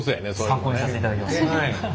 参考にさせていただきます。